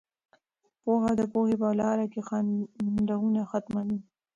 پوهه د پوهې په لاره کې خنډونه ختموي.